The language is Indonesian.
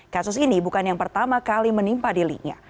kasus ini bukan yang pertama kali menimpa dirinya